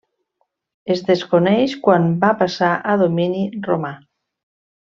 Es desconeix quan va passar a domini romà.